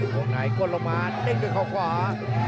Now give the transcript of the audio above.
ห่วงไหนกดลงมาเต้นด้วยข้อขวา